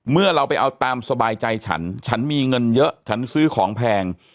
เมื่อเราไปเอาตามสบายใจฉันฉันมีเงินเยอะฉันซื้อของแพง